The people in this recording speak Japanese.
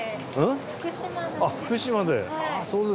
あっ福島で？